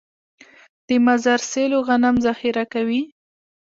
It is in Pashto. د مزار سیلو غنم ذخیره کوي.